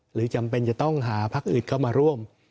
หรือจำเป็นจะต้องหาพักอื่นเข้ามาร่วม